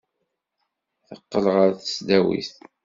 Teqqel ɣer tesdawit.